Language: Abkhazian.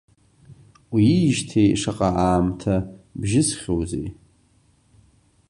Уиижьҭеи шаҟа аамҭа бжьысхьоузеи…